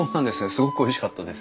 すごくおいしかったです。